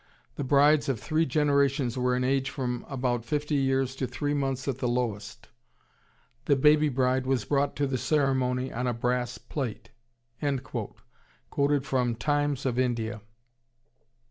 The brides of three generations were in age from about fifty years to three months at the lowest. The baby bride was brought to the ceremony on a brass plate." (Quoted from Times of India.)